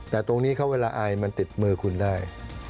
แต่ตรงนี้เขาเวลาอายมันติดมือคุณได้